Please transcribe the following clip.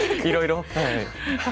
いろいろ。